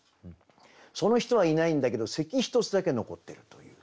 その人はいないんだけど咳一つだけ残ってるという。